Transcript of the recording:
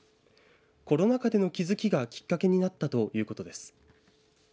コロナ禍での気付きがきっかけになったということです。